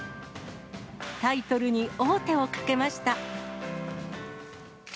タイトルに王手をかけました。